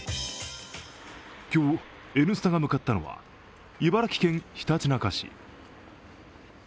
今日、「Ｎスタ」が向かったのは茨城県ひたちなか市。